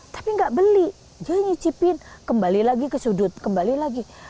tapi nggak beli dia nyicipin kembali lagi ke sudut kembali lagi